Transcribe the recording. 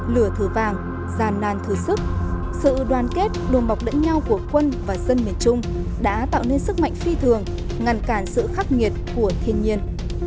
lửa thừa vàng giàn nàn thừa sức sự đoàn kết đồn bọc đẫn nhau của quân và dân miền trung đã tạo nên sức mạnh phi thường ngăn cản sự khắc nghiệt của thiên nhiên